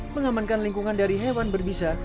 mengamankan lingkungan dari hewan berbisa